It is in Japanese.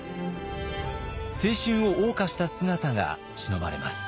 青春をおう歌した姿がしのばれます。